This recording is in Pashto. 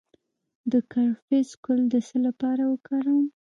د کرفس ګل د څه لپاره وکاروم؟